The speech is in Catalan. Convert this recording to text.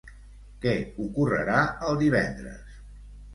Què ocorrerà el divendres?